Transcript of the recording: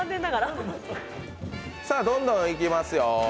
どんどんいきますよ。